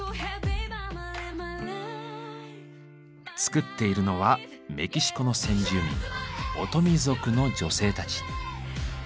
作っているのはメキシコの先住民オトミ族の女性たち。